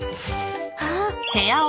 あっ。